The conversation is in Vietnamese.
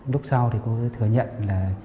lúc sau thì cô ấy thừa nhận là